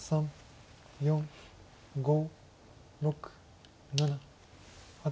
４５６７８。